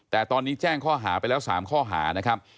แต่ตอนนี้แจ้งข้อหาไปแล้ว๓ข้อหานะครับ